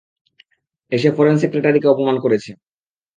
এসে ফরেন সেক্রেটারিকে অপমান করেছ।